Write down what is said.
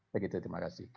begitu terima kasih